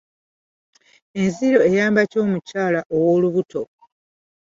Enziro eyamba ki omukyala ow'olubuto?